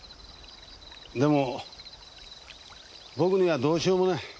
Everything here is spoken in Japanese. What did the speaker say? でも僕にはどうしようもない。